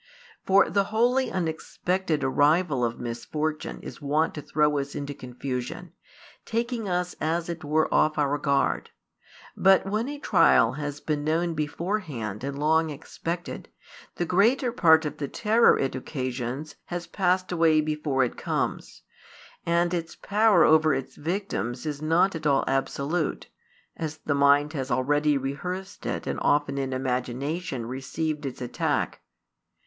For the wholly unexpected arrival of misfortune is wont to throw us into confusion, taking us as it were off our guard: but when a trial has been known beforehand and long expected, the greater part of the terror it occasions has passed away before it comes, and its power over its victims is not at all |215 absolute, as the mind has already rehearsed it and often in imagination received its attack.